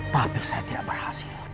tapi saya tidak berhasil